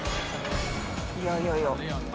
いやいやいや。